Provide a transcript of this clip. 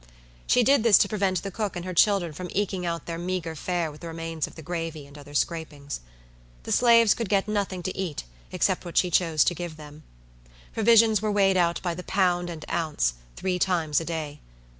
She did this to prevent the cook and her children from eking out their meagre fare with the remains of the gravy and other scrapings. The slaves could get nothing to eat except what she chose to give them. Provisions were weighed out by the pound and ounce, three times a day.